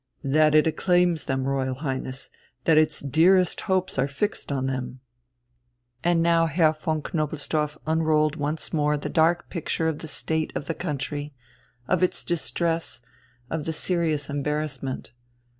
"That it acclaims them, Royal Highness that its dearest hopes are fixed on them." And now Herr von Knobelsdorff unrolled once more the dark picture of the state of the country, of its distress, of the serious embarrassment.